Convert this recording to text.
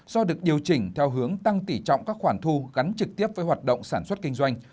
do được điều chỉnh theo hướng tăng tỉ trọng các khoản thu gắn trực tiếp với hoạt động sản xuất kinh doanh